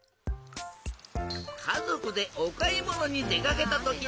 かぞくでおかいものにでかけたときのこと。